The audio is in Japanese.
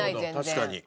確かに。